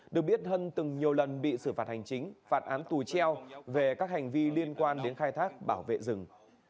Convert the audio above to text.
được biết hân từng nhiều lần bị xử phạt hành chính phạt án tù treo về các hành vi liên quan đến khai thác bảo vệ rừng